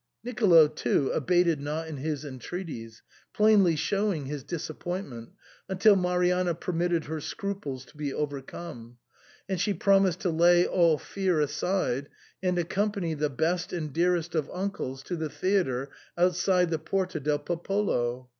Nicolo too abated not in his entreaties, plainly showing his disappointment, until Marianna permitted her scruples to be overcome ; and she promised to lay all fear aside and accompany the best and dearest of uncles to the theatre outside the Porta del Popolo.